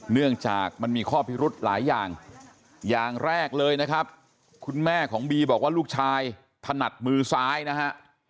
เนื่องจากมันมีข้อพิรุธหลายอย่างอย่างแรกเลยนะครับคุณแม่ของบีบอกว่าลูกชายถนัดมือซ้ายนะฮะ